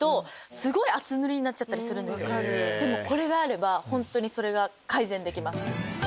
でもこれがあればホントにそれが改善できます。